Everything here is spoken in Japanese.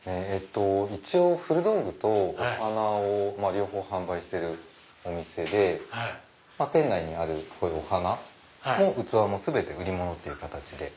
一応古道具とお花を両方販売してるお店で店内にあるこういうお花も器も全て売り物という形で。